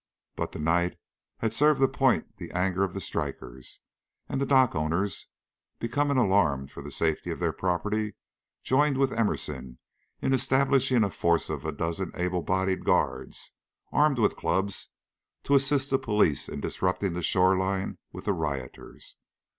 But the night had served to point the anger of the strikers, and the dock owners, becoming alarmed for the safety of their property, joined with Emerson in establishing a force of a dozen able bodied guards, armed with clubs, to assist the police in disputing the shore line with the rioters.